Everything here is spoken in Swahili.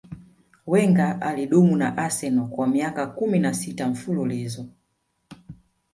wenger alidumu na arsenal kwa miaka kumi na sita mfululizo